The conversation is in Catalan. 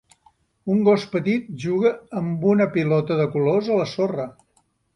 Un gos petit juga amb una pilota de colors a la sorra.